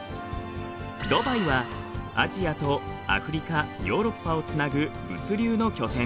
ドバイはアジアとアフリカヨーロッパをつなぐ物流の拠点。